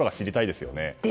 ですよね。